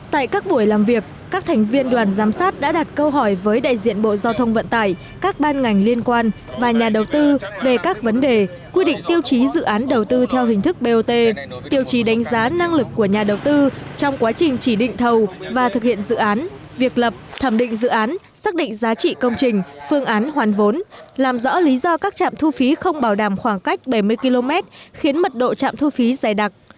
tại các buổi làm việc các thành viên đoàn giám sát đã đặt câu hỏi với đại diện bộ giao thông vận tải các ban ngành liên quan và nhà đầu tư về các vấn đề quy định tiêu chí dự án đầu tư theo hình thức bot tiêu chí đánh giá năng lực của nhà đầu tư trong quá trình chỉ định thầu và thực hiện dự án việc lập thẩm định dự án xác định giá trị công trình phương án hoàn vốn làm rõ lý do các trạm thu phí không bảo đảm khoảng cách bảy mươi km khiến mật độ trạm thu phí dài đặc